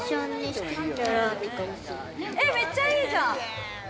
めっちゃいいじゃん！